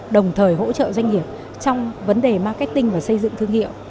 đồng thời hỗ trợ doanh nghiệp trong vấn đề marketing và xây dựng thương hiệu